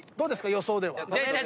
予想では。